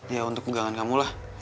ya untuk pegangan kamu lah